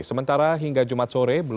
sementara hingga jumat sore